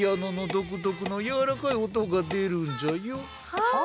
はあ！